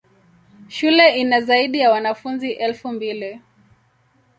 Shule ina zaidi ya wanafunzi elfu mbili.